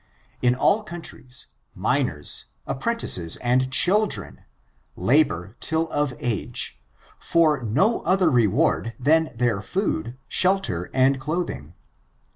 In all countries, minors, apprentices and children, labor till of age, for no other reward than their food, shelter and clothing.